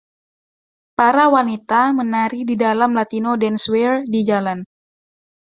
Para wanita menari di dalam Latino dancewear, di jalan.